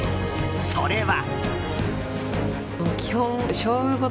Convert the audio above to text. それは。